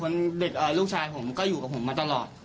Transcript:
เด็กลูกชายผมก็อยู่กับผมมาตลอด